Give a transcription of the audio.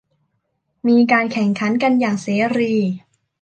มีการแข่งขันกันอย่างเสรี